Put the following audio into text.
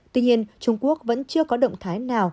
tuy nhiên trung quốc vẫn chưa có động thái nào